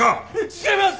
違います！